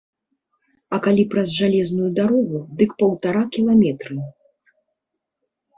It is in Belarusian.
А калі праз жалезную дарогу, дык паўтара кіламетры.